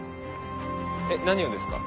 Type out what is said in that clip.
えっ何をですか？